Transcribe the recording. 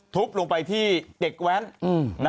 ทุบลงไปที่เด็กแว้น